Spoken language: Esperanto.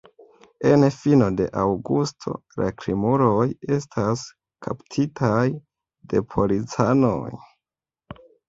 En fino de aŭgusto la krimuloj estas kaptitaj de policanoj.